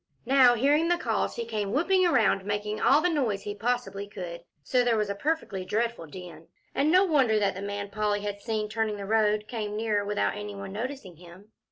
Now hearing the calls, he came whooping around, making all the noise he possibly could, so there was a perfectly dreadful din, and no wonder that the man Polly had seen turning the road came nearer without any one noticing him.